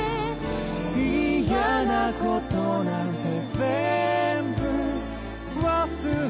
「イヤなことなんてぜんぶ」「忘れ」